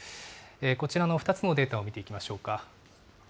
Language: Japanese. こちらの２つのデータを見ていきましょうか。